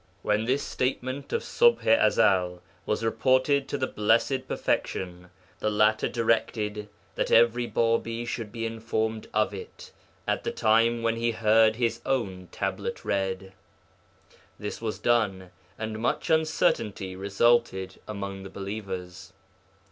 'When this statement of Ṣubḥ i Ezel was reported to the Blessed Perfection, the latter directed that every Bābī should be informed of it at the time when he heard his own tablet read. This was done, and much uncertainty resulted among the believers.